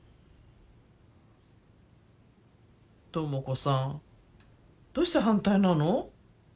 智子さんどうして反対なの？